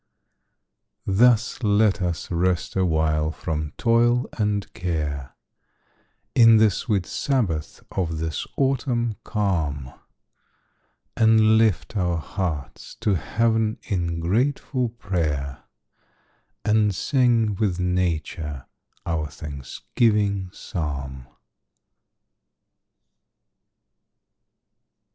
Thus let us rest awhile from toil and care, In the sweet sabbath of this autumn calm, And lift our hearts to heaven in grateful prayer, And sing with nature our thanksgiving psalm.